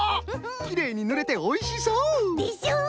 きれいにぬれておいしそう！でしょ？